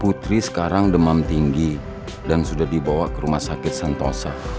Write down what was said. putri sekarang demam tinggi dan sudah dibawa ke rumah sakit sentosa